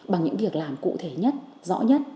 bằng những việc làm cụ thể nhất rõ nhất